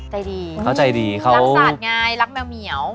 รักษาอย่างงายรักแมว